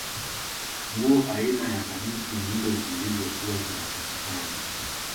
nguo aina ya kaniki ndizo zilizokuwa zinapatikana